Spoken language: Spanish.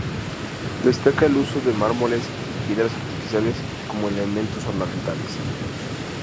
Destaca el uso de mármoles y piedras artificiales como elementos ornamentales.